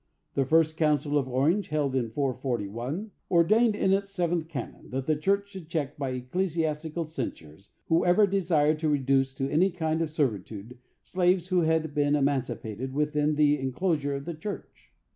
The first Council of Orange, held in 441, ordained in its seventh canon that the church should check by ecclesiastical censures whoever desired to reduce to any kind of servitude slaves who had been emancipated within the enclosure of the church.